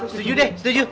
setuju deh setuju